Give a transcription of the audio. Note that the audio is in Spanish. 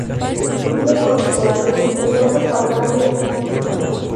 Vive con su guardián, el oso parlante Natsu.